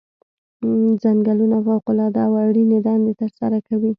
ځنګلونه فوق العاده او اړینې دندې ترسره کوي.